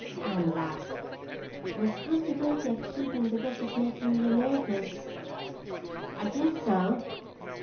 Anne laughed. "The responsibility of keeping the book is making you nervous." "I guess so.